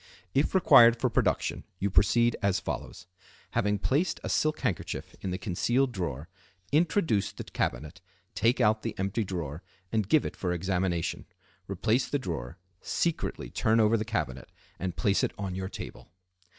If required for production you proceed as follows:—Having placed a silk handkerchief in the concealed drawer, introduce the cabinet, take out the empty drawer, and give it for examination. Replace the drawer, secretly turn over the cabinet, and place it on your table.